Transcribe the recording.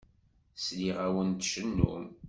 Sliɣ-awen tcennum.